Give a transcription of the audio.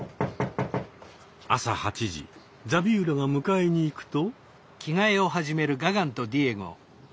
朝８時ザビウラが迎えに行くと。